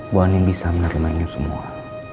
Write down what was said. bu ani bisa menerima ini semua